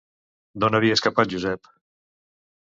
D'on havia escapat Josep?